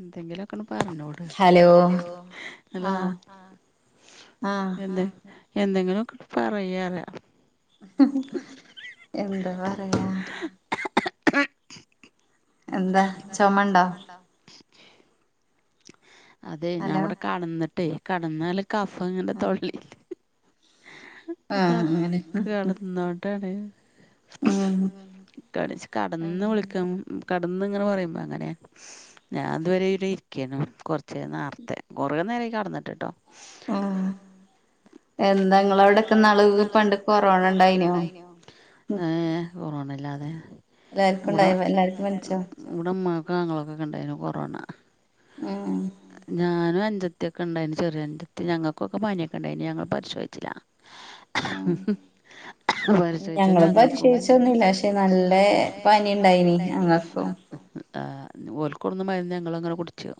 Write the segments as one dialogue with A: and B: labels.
A: എന്തെങ്കിലൊക്കെ പർഞ്ഞൂട് hello hello ആഹ് [unintelligible] എന്തെങ്കിലുവോക്കെ പറയാറാ
B: എന്താ പറയാ? എന്താ ചൊമണ്ടോ
A: ണ്ടോ അതെ ഞാവിടെ കടന്നിട്ടേ കടന്നാല് കഫ ഇങ്ങനെ തൊള്ളി അതാക് കെടന്നോ ട്ടാണ് [unintelligible] കടന്ന് വിളിക്ക കടന്ന് ഇങ്ങനെ പറയുമ്പോ അങ്ങനെ ഞാതുവരെ ഇവടെ ഇരിക്കാനൂ കൊറച്ച് നാരത്തെ കൊറേ നേരായി കെടന്നിട്ട്ട്ടോ
B: എന്താ നിങ്ങളവടൊക്കെ ഇന്നാള് പണ്ട് കൊറോണ ഉണ്ടായിനോ
A: ഏഹ് കൊറോണില്ലാതെ ഇവടെ [inaudible] ഇവടെ ഉമ്മാക്കു ആങ്ങളൊക്കൊക്കെ ഇണ്ടായിനു കൊറോണ
B: ഉം
A: ഞാനും അഞ്ചത്തി ഒക്കെണ്ടായിരുന്നു ചെറിയ അഞ്ജത്തി ഞങ്ങക്കൊക്കെ പനിയൊക്കെണ്ടായിനി ഞങ്ങ പരിശോച്ചില്ല പരിശോച്ച ഞങ്ങക്കും ഞങ്ങളും പരിശോയിച്ചോനും ഇല്ല പഷേ നല്ലേ
B: പനിയിണ്ടായിനി ഞങ്ങക്കും
A: ആഹ് ഓൽക്കൊണ്ടുന്ന മര്ന്ന് ഞങ്ങളങ്ങനെ കുടിച്ചു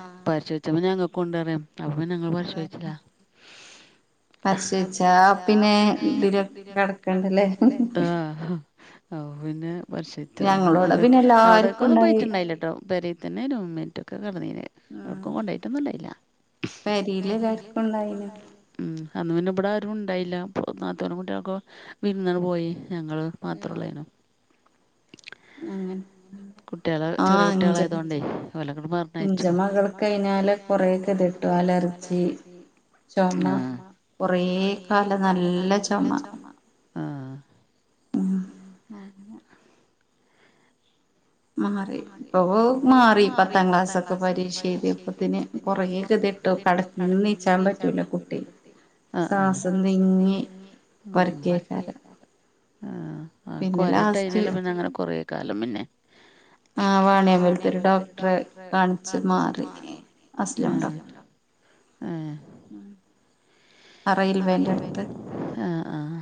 A: ആഹ് പരിശോ ചൊമ ഞങ്ങക്കു ഒണ്ടാറുയും അപ്പപിന്നെ ഞങ്ങള്പരിശോച്ചില്ല പരിശോച്ചാ പിന്നെ ഇതിലക്ക് കടക്കണ്ടല്ലേ ആഹ് അപ്പ പിന്നെ വർഷിത്ത് അങ്ങനെ അവടെയൊക്കെ ഒന്നും പോയിട്ടുണ്ടായില്ലട്ടോ പെരയിതന്നെരാന്നു റൂംമേറ്റ് ഒക്കെ കെടനിന് ഏടേക്കും കൊണ്ടയിട്ടൊന്നും ഇണ്ടായില്ല
B: വീട്ടിലെല്ലാർക്കും ഉണ്ടായി
A: ഉം അന്ന് പിന്നെ ഇവിടാരും ഉണ്ടായില്ല ന്നാത്തോനു കുട്ട്യാൽക്കും വിര്നിന് പോയി ഞങ്ങള് മാത്രള്ളേനു
B: അങ്ങനെ
A: കുട്ടികള് ചെറിയ കുട്ടികളായതോണ്ടേ അവലങ്ങട്ട് പറഞ്ഞയച്ചു. ന്റെ മകൾ [unintelligible] കൊറേ ക്കെപ്പെട്ടു അലർജി ആഹ് ചൊമ കൊറേ കാലം നല്ല ചൊമ
B: ഉം അങ്ങനെ മാറി ഇപ്പോ മാറി പത്താം ക്ലാസ്സൊക്കെ പരീക്ഷ എഴുതിയപ്പത്തിന് കൊറേയൊക്കെതെട്ടു കട ഇന്നിച്ചാൻ പറ്റൂല കുട്ടി സാസന്തിങ്ങി വർകേക്കാര ഉ
A: ആഹ് ആഹ് കൊരട്ടൈനല്ല പിന്നെ അങ്ങനെ കൊറേകാലം പിന്നെ
B: ആഹ് വാണിയമ്പലത്തൊരു ഡോക്ടറെ കാണിച്ച് മാറി
A: ആഹ് ആഹ്
B: ആഹ്‌
A: അറേഞ്ച് [unintelligible] ആഹ് ആഹ്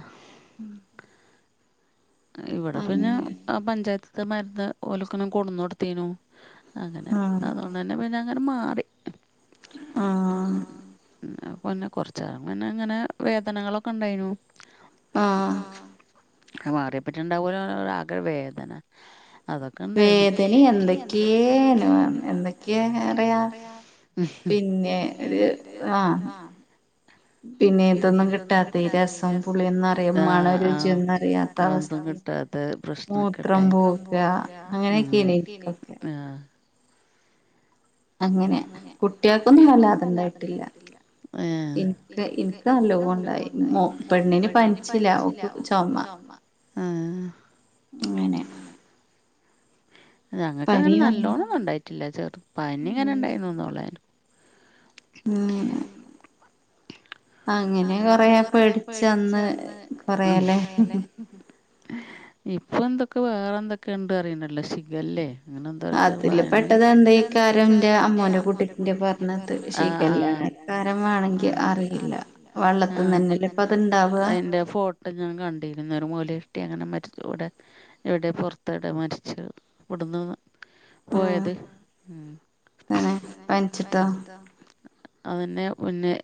A: ഇവടെ പിന്നെ പഞ്ചായത്തത്ത് മരുന്ന് ഓലുക്കണം കൊടുന്ന് കൊടുത്തേനു അങ്ങനെ അതോണ്ടന്നെ പിന്നെ അങ്ങനെ മാറി
B: ആഹ്
A: ആഹ് പിന്നെ കൊറച്ചാള് പിന്നങ്ങനെ വേദനങ്ങളൊക്കെ ഇണ്ടായിനു
B: ആഹ്
A: ഒക്ക മാറിയപ്പെറ്റ്ണ്ടാവുലോ അകവേദന അതൊക്കെ ഉണ്ടായിന്നു വേദന എന്തൊക്കെയേ എനവ എന്തൊക്കെയാറയാ പിന്നെ ഒരു ആഹ് പിന്നെ ഇതൊന്നും കിട്ടാത്ത ഈ രസം പുളിയന്ത ആഹ്‌ ആഹ് രുചിയൊന്നു അത് ഒന്നും കിട്ടാത്താ പ്രശ്നാക്കെട്ടെ മൂത്രം പോകാ ആഹ് അങ്ങനൊക്കെയാണേ ആഹ്
B: അങ്ങനെ കുട്ട്യേക്കൊന്നും വല്ലാതണ്ടായിട്ടില്ല ഇനിക്ക് ഇന് നല്ലോണിണ്ടായി മോ പെണ്ണിന് പനിച്ചില്ല ഓക്ക് ചൊമ അങ്ങനെ
A: ഞങ്ങൾക്ക് അങ്ങനെ നല്ലോണംന്നും ഉണ്ടായിട്ടില്ല ചെർ പനി ഇങ്ങനെ ഇണ്ടായിരുന്നൊന്നുള്ളാര്‌ ഹും അങ്ങനെ കൊറ പേടിച്ചന്ന് കൊറലെ ഇപ്പൊ എന്തൊക്കെ വേറെ എന്തൊക്കെ ഉണ്ട് അറിയണ്ടല്ലോ ശിഖല്ലേ അങ്ങനെന്തക്ക [unintelligible] പെട്ടത് എന്തേകാരം ഇന്റെ അമ്മോന്റെ കുട്ടിന്റെ പെർ ആഹ് ആഹ് [unintelligible] അറിയില്ല ആഹ് [unintelligible] അയിന്റെ ഫോ ഇവിടെ ഞാൻ കണ്ടിരുന്നു ഒരു മോല്യാരുട്ടി അങ്ങനെ മര്ച്ച കൂടെ എവിടെ പൊർത്തടെ മരിച്ചു ഇവിടുന്ന് പോയത് ഉം അങ്ങനെ പനിച്ചിട്ടോ അതിന്നെ പിന്നെ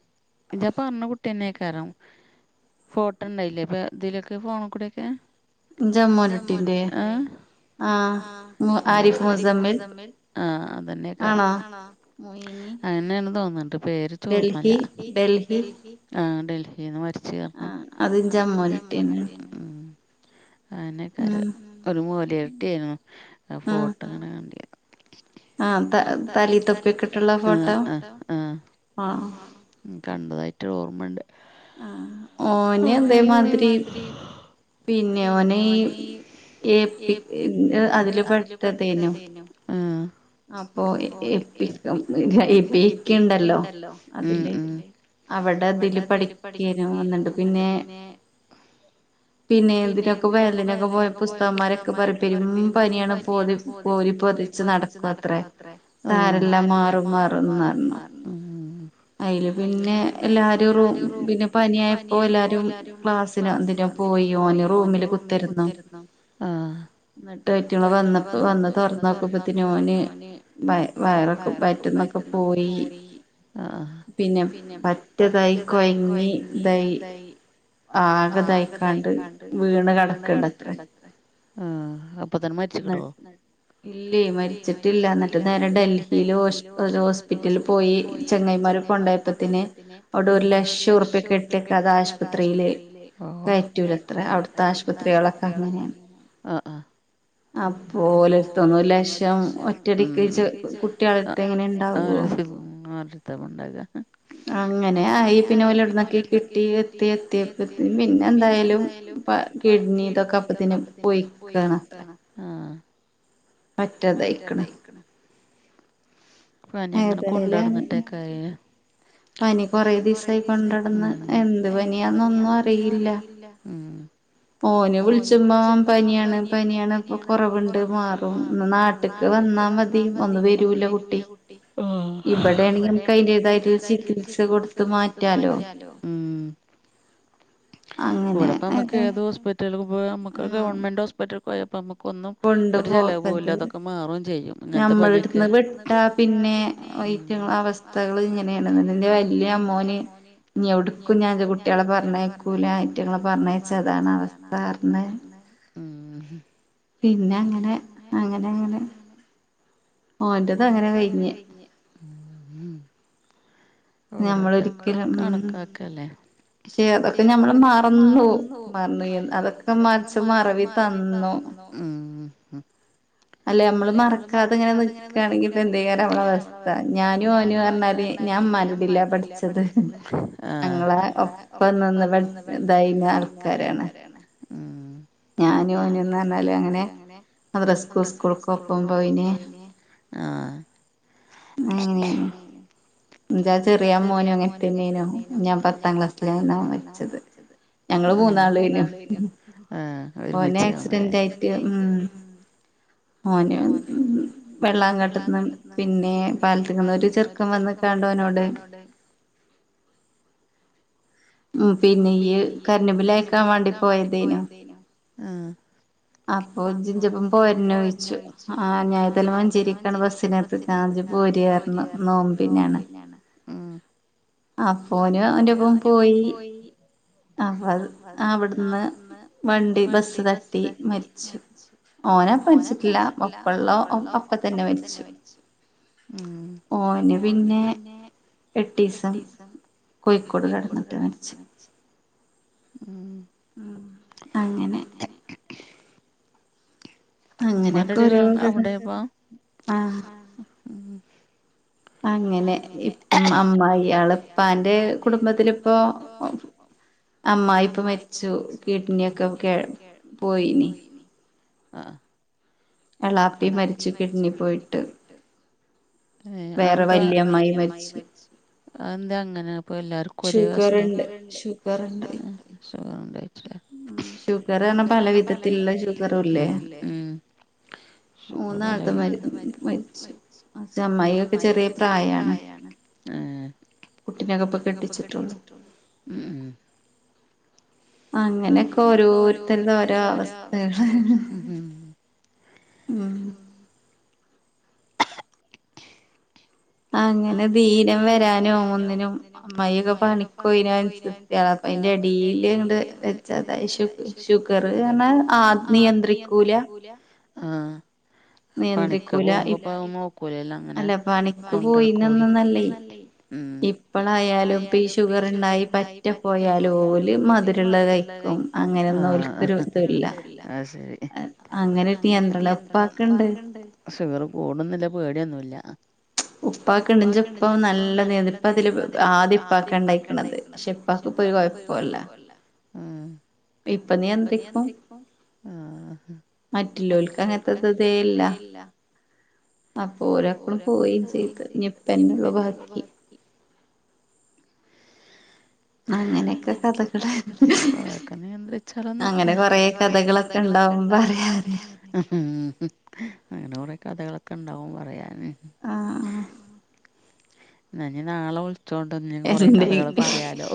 A: പറഞ്ഞ കുട്ടിന്നെയെന്നേക്കരും ഫോട്ടോ ഇണ്ടായില്ല ഇപ്പൊ ഇതിലൊക്കെ ഫോണിൽ കൂടെക്കെ ജമ്മ രുട്ടി എഹ് ആഹ് ആരിഫുസമ്മിൽ ആഹ് അതന്നെക്കാരം ആണോ അങ്ങനെയന്ന തോന്നണ്ട് പേര് ചോഓർമ്മല്ല ഡൽഹി ആഹ് ഡൽഹിന്ന് മരിച്ച് അർന് അത് ഇന്റെ അമ്മോന്റെ കുട്ടിയാണ് ഉം അനെക്കര ഒരു മോല്യാരുട്ടിയാണ് അഹ് ഫോട്ടോ അങ്ങനെ കണ്ടീനു ആഹ് ത തലേ തൊപ്പി ഒക്കെട്ടിനെ ഫോട്ടോ ആഹ് ആഹ് കണ്ടതായിട്ടരു ഓർമ്മണ്ട് [unintelligible] മാതിരി പിന്നെ ഓനീ ഈ ഏപ്പി അതില് പെട്ടതേനു ഏഹ് അപ്പൊ എപി എപ്പിക്ക എപ്പിക്കണ്ടല്ലോ ഉം ഉം അവടെ അതില് പഠിക്കേനു തോന്ന്ണ്ട് പിന്നെ പിന്നെ ഇതിനൊക്കെ വയളിനൊക്കെ പോയപ്പൊ ഉസ്താന്മാരൊക്കെ പറിം പെരും പനിയാണ് പോതിം പോരി പൊതിച്ചു നടക്കും അത്രേ ആഹ് ആരെല്ലാം മാറും മാറും ന്ന ഉം
B: അതില് പിന്നെ എല്ലാരും റൂ പിന്നെ പനിയായപ്പോ എല്ലാരും ക്ലാസിനോ അതിനോ
A: എന്തിനോ പോയി ഓന് റൂമില് കുത്തിരുന്നു ആഹ് ട്ടറ്റള് വന്നപ്പോ വന്ന് തുറന്ന് നോക്കുപ്പത്തിന് ഓന് വയ വയറൊക്കെ പ മറ്റന്നൊക്കെ പോയി ആഹ് പിന്നെ പറ്റതായി കുഴങ്ങി ഇതയി ആകതായിക്കാണ്ട് വീണ് കിടക്കണ്ടത്ര ആഹ് അ ഇപ്പ തന്ന മരിച്ച്ക്ണോ
B: ഇല്ലയ് മരിച്ചിട്ടില്ല എന്നിട്ട് നേരെ ഡൽഹിയില് ഹോസ് ഒരു ഹോസ്പിറ്റലിൽ പോ
A: ഹസ്പിറ്റിൽ പോയി ചെങ്ങൈമാര് കൊണ്ടായപ്പോത്തിന് അവിടെ ഒരു ലക്ഷം ഉറുപ്പ്യൊക്കെട്ടേക്കാതെ ആശുപത് പത്രീല് ഓഹ് കയറ്റൂലത്ര അവിടുത്തെ ആശുപത്രികളൊക്കെ ആഹ് ആഹ് അപ്പോലെട്തൊന്നും ലക്ഷം ഒറ്റടിക്കേച് കുട്ടികളത്തെ ആരെട്ത്താപണ്ടാക അങ്ങനെ ആയി പിന്നെ ഓലോടുന്നൊക്കെ കിട്ടി എത്തി എത്തി പിന്നെ എന്തായാലും പ്പ കിഡ്നീതൊക്കെ അപ്പത്തിന് പോയിക്കാണ് ആഹ്
B: പറ്റാതായിക്ക്ണ്
A: ഫനിങ്ങനെ കൊണ്ടടന്നിട്ടേക്കാര് പനി കൊറെ ദിവസായി കൊണ്ടിടന്ന് എന്ത് പനിയാന്നൊന്നും അറിയില്ല
B: ഓനെ വിളിച്ച്മ്പൊ പനിയാണ് പനിയാ ന്ന്പ്പൊ കുറവുണ്ട് മാറും നാട്ട്ക്ക് വന്നാ മതി ഒന്നും വരൂല്ല കുട്ടി
A: ട്ടി ഇവിടെയാണെങ്കി നമക്ക് അയിന്റേതായിട്ട് ചികിത്സ കൊടുത്ത് മാറ്റാലോ ഇവിടെപ്പ നമുക്ക് ഏത് ഹോസ്പിറ്റല പോ നമക്ക് ഗവൺമെന്റ് ഹോസ്പിറ്റല പോയപ്പോ അമ കൊന്നും ഒരു ചലവൂല്ല അതൊക്കെ മാറുകയും ചെയ്യും ഇങ്ങനത്തെ പനിയൊക്കെ പിന്നെ [unintelligible] അവസ്ഥകള് ഇങ്ങനയേണ് എന്റെ വല്ല്യ മോന്
B: ഞ്ഞി എവട്ക്കും ഞാൻന്റെ കുട്ടികളെ പ
A: കുട്ടികളെ പറഞ്ഞയക്കൂല അയ്റ്റിങ്ങളെ പറഞ്ഞേച്ച ഇതാണ് അവസ്ഥാ പർന്ന്
B: പിന്നെ അങ്ങനെ അങ്ങനെ അങ്ങനെ മോന്റതങ്ങനെ കഴിഞ്ഞ്
A: ഉം ഉം ഓരോർത്തർക്കും കണക്കാക്കല്ലേ ഷെ അതൊക്കെ ഞമ്മള് മറന്നു മറന്നുപോയ്‌ അതൊക്കെ മായ്ച്ച് മറവി തന്നു ഉം ഹും അല്ലേ നമ്മള് മറക്കാതെ ഇങ്ങനെ നിക്കുവാണെങ്കിൽ ഇപ്പെന്ത്ചെയ്യാനാ നമ്മട അവസ്ഥ ഞാനും അവനുംന്ന് പറഞ്ഞാല് ഞാൻ മരുടില പഠിച്ചത് ഞങ്ങളെ ഒപ്പ നിന്ന് പഠി ഇതായി [unintelligible] ആൾക്കാരാണ് ഉം
B: ഞാനും അവനെന്ന് പറഞ്ഞാലും അങ്ങനെ മദ്രസക്കും സ്കൂൾക്കും ഒപ്പം പോയീനി
A: ആഹ്
B: എങ്ങനെയും
A: എന്റാ ചെറിയാ മോനും അങ്ങനെത്തന്നേനോ ഞാൻ പത്താം ക്ലാസ്സിലായിരുന്നാ മരിച്ചത് ആഹ് ഞങ്ങള് മൂന്നാളും ഏനു ആഹ് ഒരുമിച്ച് അല്ലെ ആക്സിഡന്റ് ആയിട്ട് ഇം
B: ഓന് വെള്ളാങ്കാട്ട്ന്ന് പി ന്നെ പാലത്തിന്ന്ങ്ങൊരു ചെറുക്കൻ വന്ന് കണ്ടോനോട്
A: [unintelligible]
B: ഉം പിന്നെ ഈ കരണ്ടുംബില്ലയക്കാൻ വേണ്ടി പോയതേനു
A: ആഹ്
B: അപ്പൊ ജിഞ്ചപ്പം പോരന്നോ ചോദിച്ച് ആഹ് ഞായതല മഞ്ചേരിക്കാണ് ബസിനെ
A: [unintelligible] നോമ്പിന്നെയാണ് ഉം
B: ആഹ് അപ്പോന് ഓന്റൊപ്പം പോയി
A: അപ്പൊത് അവിടുന്ന് വണ്ടി ബസ്സ് തട്ടി മരിച്ചു
B: ഓനപ്പ മരിച്ചിട്ടില്ല ഒപ്പള്ള ഓൻ അപ്പത്തന്നെ മരിച്ചു ഓന് പിന്നെ എട്ടീസം കോഴിക്കോട് കെടന്നിട്ട് മരിച്ച്
A: ഉം
B: ഉം അങ്ങനെ
A: ഉമാലടി വ അവിടെപ്പാ ആഹ് ഉം
B: അങ്ങനെ ഇം അമ്മായി എളപ്പാന്റെ കുടുംബത്തിലിപ്പോ അമ്മായിപ്പ മരിച്ചു കിഡ്‌നിയൊക്കെ കേ പോയീനി
A: ആഹ്
B: എളാപ്പീ മരിച്ചു കിഡ്‌നി പോയിട്ട്
A: എഹ് അതെന്താ അവർടെ വല്യമ്മായി മരിച്ചു. അതെന്താ അങ്ങനെ അപ്പൊ എല്ലാർ ക്കൊരേ അസുഖം ഷുഗറിണ്ട് ഷുഗറിണ്ട് അഹ് അഹ് ഷുഗറിണ്ട് ഷുഗറാണ് പല വിധത്തിലുള്ള ഷുഗറൂല്ലേ ഉം ഉം ഷുഗർ പല [inaudible] അന്നാ അത് മരി മരിച്ച് ച്ച അമ്മായിയൊക്കെ ചെറിയ പ്രായാണ് ഏഹ് കുട്ടിനേക്ക ഇപ്പ കെട്ടിച്ചിട്ടെ ഉള്ളു ഉം
B: അങ്ങനെക്ക ഓരോരുത്തരുടെ ഓരോ അവസ്ഥകള് ഉം അങ്ങനെ ദീനം വരാനും ഒന്നിനും അമ്മായിയൊക്കെ പണിക്കോയിന [unintelligible] ളപ്പം അതിൻറെ എടീൽ ഇങ്ങട് വെജാതായി ഷു ഷുഗറ് പറഞ്ഞാൽ ആ നിയന്ത്രിക്കൂല
A: ക്കൂല ആഹ് പണിക്ക് പോകുമ്പോപ്പത് നോ ക്കൂലല്ല അങ്ങനെ കൊണ്ടടക്കു പോയിന്നൊന്നന്നല്ലെ ഇം ഇപ്പളായാലും ഇപ്പീ ഷുഗറിണ്ടായി പറ്റ് പോയാല് ഓല് മധുരിള്ള കഴിക്കും ആഹ് അത് ശെരി അങ്ങെനൊക്കെ [unintelligible] പ്പാക്ക്ണ്ട് ഷുഗറ് കൂടുംന്ന്ള്ള പേട്യൊന്നുല്ല
B: ഉപ്പാക്ക്ണ്ട് ഞ്ചപ്പ നല്ല വെല്പ്പത്തില് ആദ്യപ്പാക്ക ണ്ടാ യ്ക്ക്ണത് ക്ഷെ
A: ക്ഷെ പ്പാക്ക് പ്പൊരു കൊയപ്പൊല്ല ഏഹ് ഇപ്പനിയന്ത്രിക്കും ആഹ്
B: മറ്റ് ല്ലോൽക്കങ്ങൻതതതേല്ല [unintelligible] അപ്പൊരാക്കളും പോവെം ചെയ്ത്. നി
A: [inaudible] അങ്ങനെയൊക്കെ കഥകള് കൊറെയൊക്കെ നിയന്ത്രിച്ചാലേ ന്ക്കു. അങ്ങന കൊറേ ക [unintelligible] ഇണ്ടാവുമ്പോ അറിയാല്ലാ അങ്ങന കൊറെ കതകളൊക്ക ണ്ടാവും പറയാന്.
B: ആ ആഹ്
A: ന്നനി നാള വ്ൾച്ചോട്ടെ ന്നെ കൊറെ കഥകൾ പറയാലോ.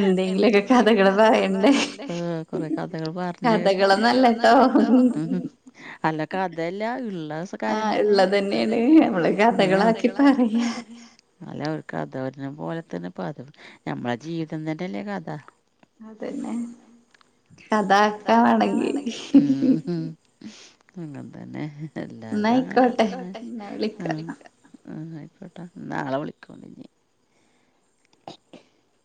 A: ഹ് എന്തെങ്കിലൊക്കെ കഥകള് പറയണ്ടെ. ഏഹ്! കൊറെ കതകൾ പർഞ്ഞ്. കഥകളൊ ന്നല്ല ട്ടോ അല്ല കഥയല്ലാ ള്ള സ് കാര്യം തന്നെ. ള്ളതെന്നെയാണ്. ആഹ് [unintelligible] നല്ല ഒരു കഥ [unintelligible] പോലെ തന്നെ അതും ഞമ്മള ജീവിതം തന്നെല്ലേ കത? പിന്നെ കതാക്ക വേണെങ്കി ഊ ഹു അങ്ങൻതന്നെ എല്ലാര്തും അങ്ങനെയൊക്കെ തന്നെ ആ ന്നായ്ക്കോട്ടെ ആഹ് ളിക്ക ആ ന്നായിക്കോട്ടെ. ന്നാള വിളിക്കൊള്ളുഞ്ഞി [inaudible]